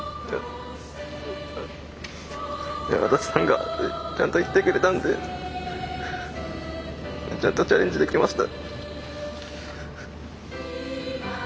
安達さんがちゃんといってくれたんでちゃんとチャレンジできました。